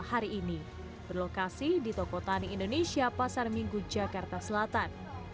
hari ini berlokasi di toko tani indonesia pasar minggu jakarta selatan